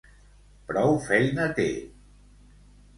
Prou feina té.